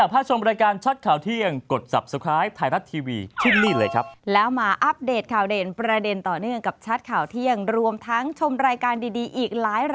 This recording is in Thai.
โปรดติดตามตอนต่อไป